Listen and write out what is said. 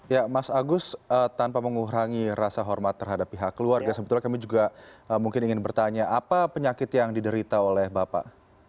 ya mas agus tanpa mengurangi rasa hormat terhadap pihak keluarga sebetulnya kami juga mungkin ingin bertanya apa penyakit yang diderita oleh bapak